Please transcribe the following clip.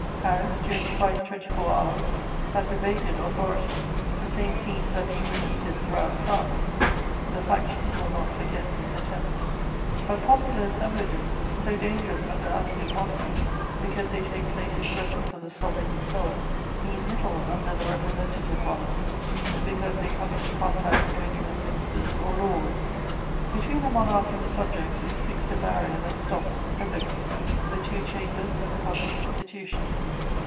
Paris, during twice twenty four hours, has evaded authority. The same scenes are being repeated throughout France: the factions will not forget this attempt. "But popular assemblages, so dangerous under absolute monarchies, because they take place in presence of the Sovereign himself, mean little under the representative monarchy, because they come into contact only with ministers or laws. Between the monarch and the subjects is fixed a barrier that stops everything: the two Chambers and the public institutions.